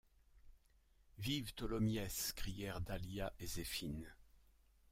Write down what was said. Vive Tholomyès! crièrent Dahlia et Zéphine.